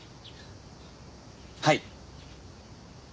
はい。